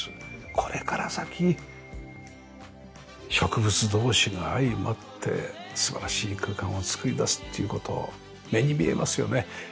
これから先植物同士が相まって素晴らしい空間を作り出すっていう事目に見えますよね。